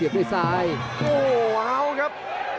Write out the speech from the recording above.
นี่นะครับ